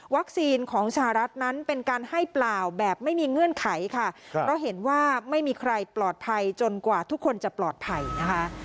ของสหรัฐนั้นเป็นการให้เปล่าแบบไม่มีเงื่อนไขค่ะเพราะเห็นว่าไม่มีใครปลอดภัยจนกว่าทุกคนจะปลอดภัยนะคะ